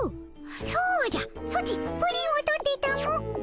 そうじゃソチプリンを取ってたも。